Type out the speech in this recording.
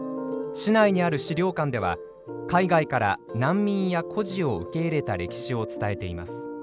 市内にある資料館では海外から難民や孤児を受け入れた歴史を伝えています。